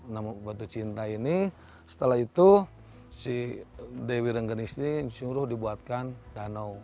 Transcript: namun batu cinta ini setelah itu si dewi rengganis ini disuruh dibuatkan danau